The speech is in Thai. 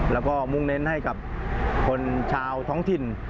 แล้วก็มุ่งเน้นให้กับคนชาวท้องถิ่น